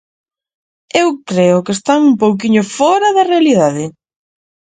Eu creo que están un pouquiño fóra da realidade.